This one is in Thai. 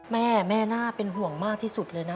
แม่แม่น่าเป็นห่วงมากที่สุดเลยนะ